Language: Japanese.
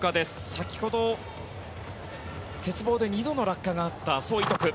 先ほど鉄棒で２度の落下があったソ・イトク。